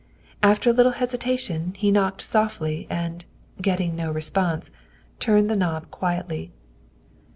After a little hesitation he knocked softly and, getting no response, turned the knob quietly.